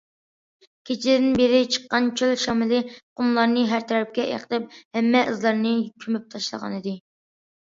كېچىدىن بىرى چىققان چۆل شامىلى قۇملارنى ھەر تەرەپكە ئېقىتىپ، ھەممە ئىزلارنى كۆمۈپ تاشلىغانىدى.